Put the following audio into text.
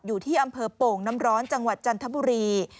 อยู่ที่อำเภอโป่งน้ำร้อนจังหวัดจันทบุรี